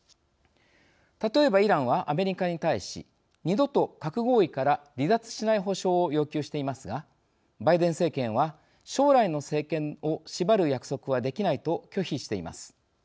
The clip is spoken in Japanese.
例えばイランはアメリカに対し「二度と核合意から離脱しない保証」を要求していますがバイデン政権は「将来の政権を縛る約束はできない」と拒否しています。